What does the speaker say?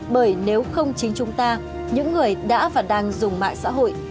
bởi nếu không chính chúng ta những người đã và đang dùng mạng xã hội